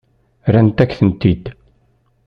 Rrant-ak-tent-id.